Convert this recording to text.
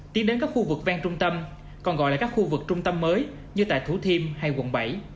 tiến đến các khu vực ven trung tâm còn gọi là các khu vực trung tâm mới như tại thủ thiêm hay quận bảy